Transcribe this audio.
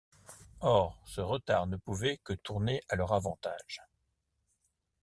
Or, ce retard ne pouvait que tourner à leur avantage.